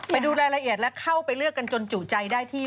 ไปดูรายละเอียดและเข้าไปเลือกกันจนจุใจได้ที่